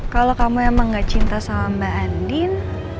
kalau kamu emang gak cinta sama mbak andin